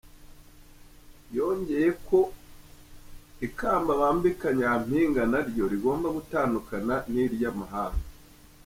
Yongeye ko ikamba bambika Nyampinga naryo rigomba gutandukana n’iry’amahanga.